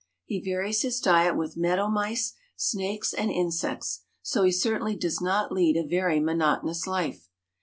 He varies his diet with meadow mice, snakes, and insects, so he certainly does not lead a very monotonous life.